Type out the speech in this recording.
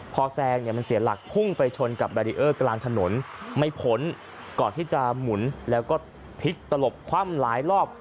พอแซงเนี่ยมันเสียหลักพุ่งไปชนกับแบรีเออร์กลางถนนไม่พ้นก่อนที่จะหมุนแล้วก็พลิกตลบคว่ำหลายรอบ